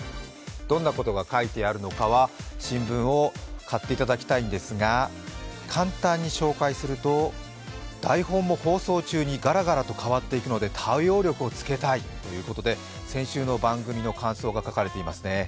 どんなことが書いてあるのかは新聞を買っていただきたいんですが簡単に紹介すると、台本も放送中にがらがらと変わっていくので対応力をつけたいということで、先週の番組の感想が書かれていますね。